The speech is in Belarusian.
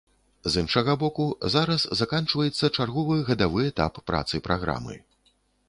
З іншага боку, зараз заканчваецца чарговы гадавы этап працы праграмы.